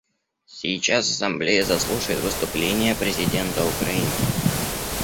Сейчас Ассамблея заслушает выступление президента Украины.